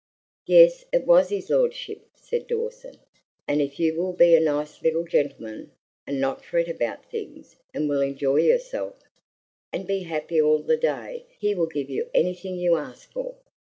"Yes, it was his lordship," said Dawson; "and if you will be a nice little gentleman, and not fret about things, and will enjoy yourself, and be happy all the day, he will give you anything you ask for."